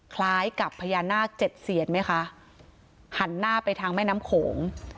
คล้ายกับพญานาคเจ็ดเซียนไหมคะหันหน้าไปทางแม่น้ำโขง